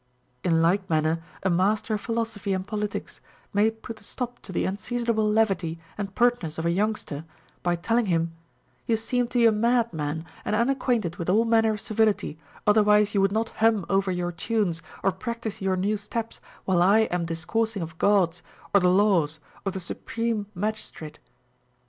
In like manner a master of philosophy and politics may put a stop to the unseasonable levity and pertness of a youngster, by telling him, You seem to be a madman and unacquainted with all manner of civility, otherwise you would not hum over your tunes or practise your new steps while I am discoursing of Gods, or the laws, or the supreme magistrate.